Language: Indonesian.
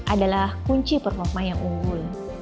adalah kunci performa yang unggul